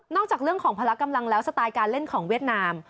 จากเรื่องของพละกำลังแล้วสไตล์การเล่นของเวียดนาม